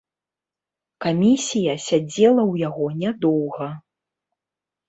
Камісія сядзела ў яго нядоўга.